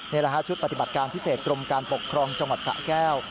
นี่แหละฮะชุดปฏิบัติการพิเศษกรมการปกครองจังหวัดสะแก้ว